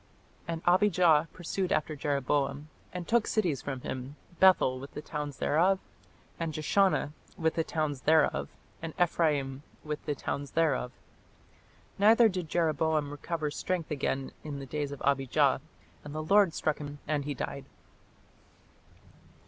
And Abijah pursued after Jeroboam, and took cities from him, Bethel with the towns thereof, and Jeshanah with the towns thereof, and Ephraim with the towns thereof. Neither did Jeroboam recover strength again in the days of Abijah, and the Lord struck him and he died."